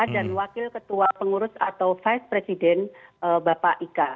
dan wakil ketua pengurus atau vice president bapak ika